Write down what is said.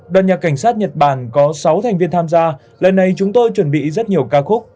đoàn nhà cảnh sát nhật bản có sáu thành viên tham gia lần này chúng tôi chuẩn bị rất nhiều ca khúc